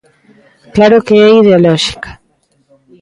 Claro que é ideolóxica.